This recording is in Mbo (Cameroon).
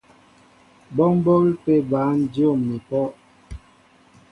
Bɔ́ m̀bǒl pé bǎn dyǒm ni pɔ́.